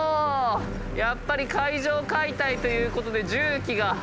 やっぱり階上解体ということで重機が。